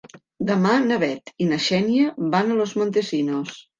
Demà na Bet i na Xènia van a Los Montesinos.